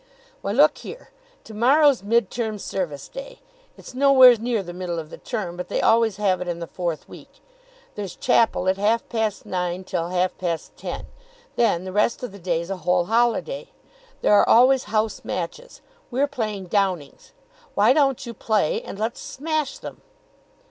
"Why, look here. To morrow's Mid term Service day. It's nowhere near the middle of the term, but they always have it in the fourth week. There's chapel at half past nine till half past ten. Then the rest of the day's a whole holiday. There are always house matches. We're playing Downing's. Why don't you play and let's smash them?"